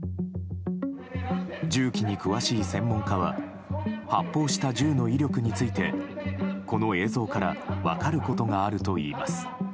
銃器に詳しい専門家は発砲した銃の威力についてこの映像から分かることがあるといいます。